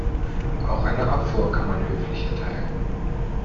Auch eine Abfuhr kann man höflich erteilen.